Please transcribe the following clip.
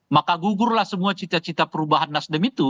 maka gugurlah semua cita cita perubahan nasdem itu